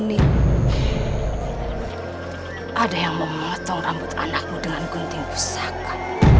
nih ada yang memotong rambut anakmu dengan gunting pusaka